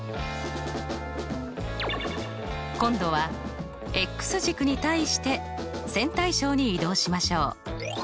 今度は軸に対して線対称に移動しましょう。